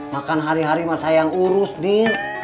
makan hari hari mah saya yang urus nin